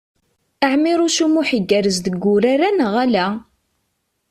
Ɛmiṛuc U Muḥ igerrez deg urar-a, neɣ ala?